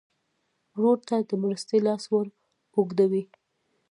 ورور ته د مرستې لاس ور اوږدوې.